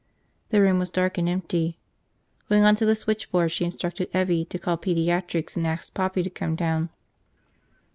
The room was dark and empty. Going on to the switchboard, she instructed Evvie to call pediatrics and ask Poppy to come down.